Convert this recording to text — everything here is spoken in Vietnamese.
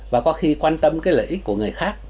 và có khi quan tâm cái lợi ích của người khác